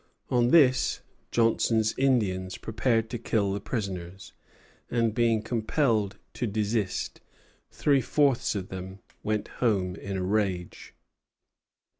On this, Johnson's Indians prepared to kill the prisoners; and, being compelled to desist, three fourths of them went home in a rage.